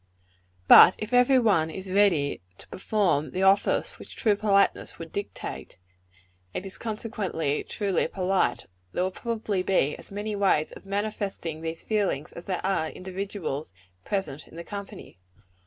But if every one is ready to perform the office which true politeness would dictate and is consequently truly polite there will probably be as many ways of manifesting these feelings, as there are individuals present in the company.